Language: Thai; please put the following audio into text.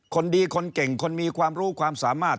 คนดีคนเก่งคนมีความรู้ความสามารถ